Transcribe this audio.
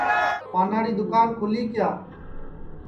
پاناڑی دؔوکان کھولی کیا